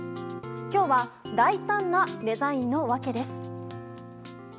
今日は大胆なデザインの訳です。